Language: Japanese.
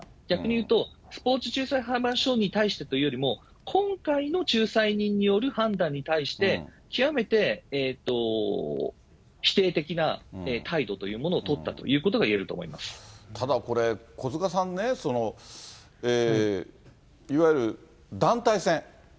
逆に言うと、スポーツ仲裁裁判所に対してというよりも、今回の仲裁人による判断に対して、極めて否定的な態度というものをとったということが言えると思いただ、これ、小塚さんね、いわゆる団体戦。